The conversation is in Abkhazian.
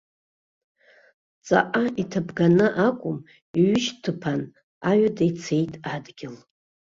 Ҵаҟа иҭабганы акәым, иҩышьтыԥан, аҩада ицеит адгьыл.